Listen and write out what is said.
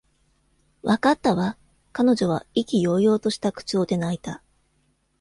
「わかったわ！」彼女は意気揚々とした口調で泣いた。